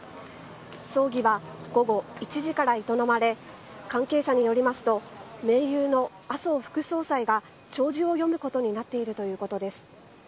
葬儀は午後１時から営まれ、関係者によりますと、盟友の麻生副総裁が弔辞を読むことになっているということです。